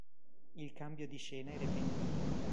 Il cambio di scena è repentino.